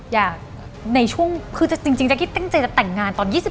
อยากในช่วงคือจริงแจ๊กกี้ตั้งใจจะแต่งงานตอน๒๐